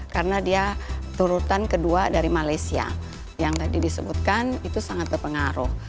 karena dia turutan kedua dari malaysia yang tadi disebutkan itu sangat berpengaruh